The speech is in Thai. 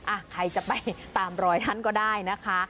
ใครจะไปตามรอยท่านก็ได้นะคะ